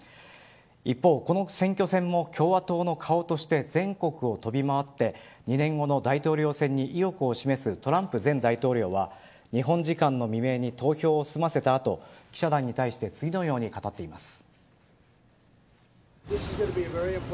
一方この選挙戦も共和党の顔として全国を飛び回って２年後の大統領選に意欲を示すトランプ前大統領は日本時間の未明に投票を済ませた後記者団に対して次のように語っています。